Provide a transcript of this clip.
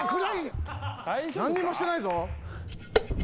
何にもしてないぞ。